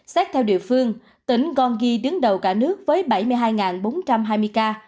xét theo địa phương tỉnh gongi đứng đầu cả nước với bảy mươi hai bốn trăm hai mươi ca